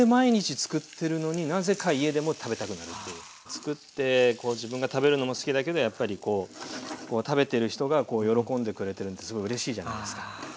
つくって自分が食べるのも好きだけどやっぱり食べてる人が喜んでくれてるのすごいうれしいじゃないですか。